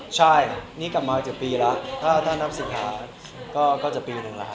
ใช่นี่กลับมาอีกปีแล้วถ้านับสิทธิ์แล้วก็จะปีนึงแล้วค่ะ